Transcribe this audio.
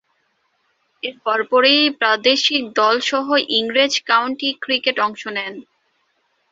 এর পরপরই প্রাদেশিক দলসহ ইংরেজ কাউন্টি ক্রিকেটে অংশ নেন।